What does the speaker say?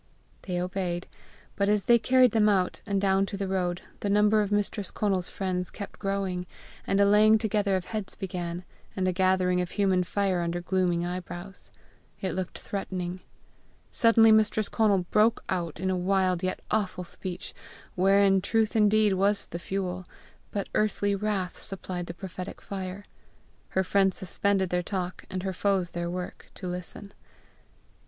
They obeyed. But as they carried them out, and down to the road, the number of Mistress Conal's friends kept growing, and a laying together of heads began, and a gathering of human fire under glooming eyebrows. It looked threatening. Suddenly Mistress Conal broke out in a wild yet awful speech, wherein truth indeed was the fuel, but earthly wrath supplied the prophetic fire. Her friends suspended their talk, and her foes their work, to listen.